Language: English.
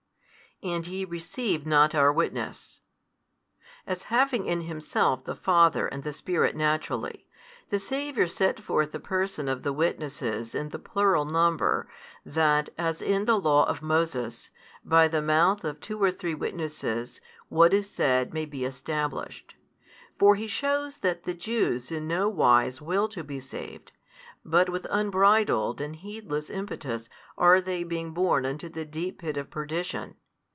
And ye receive not our witness. As having in Himself the Father and the Spirit Naturally, the Saviour set forth the person of the Witnesses in the plural number, that, as in the law of Moses, by the mouth of two or three witnesses, what is said may be established. For He shews that the Jews in no wise will to be saved, but with unbridled and heedless impetus are they being borne unto the deep pit of perdition.